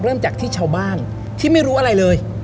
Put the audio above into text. เริ่มจากที่ชาวบ้านที่ไม่รู้อะไรเลย